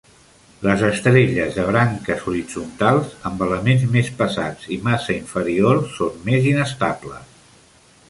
Les estrelles de branques horitzontals, amb elements més pesats i massa inferior, són més inestables.